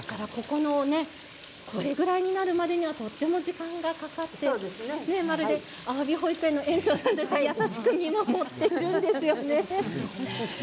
これぐらいになるまでにはとても時間がかかってあわび保育園の園長さんのように優しく見守っているんですよね。